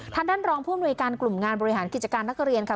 ท่านด้านร้องภูมิโนยาการกลุ่มงานบริหารกิจการนักเรียนค่ะ